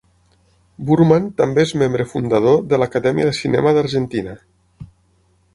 Burman també és membre fundador de l'Acadèmia de Cinema d'Argentina.